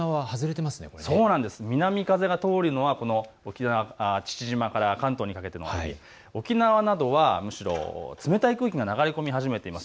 南風が通るのは父島から関東にかけて、沖縄などはむしろ冷たい空気が流れ込み始めています。